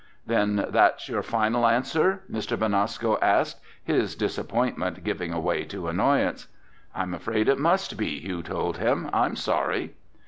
"Then that's your final answer?" Mr. Benasco asked, his disappointment giving way to annoyance. "I'm afraid it must be," Hugh told him. "I'm sorry."